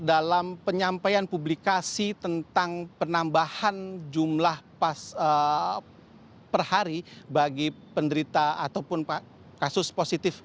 dalam penyampaian publikasi tentang penambahan jumlah pas perhari bagi penderita ataupun kasus